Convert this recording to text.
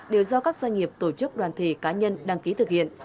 đều do các doanh nghiệp tổ chức đoàn thể cá nhân đăng ký thực hiện